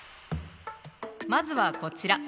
まずはこちら。